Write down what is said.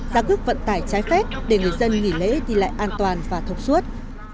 giá cước vận tải trái phép để người dân nghỉ lễ đi lại an toàn và thông suốt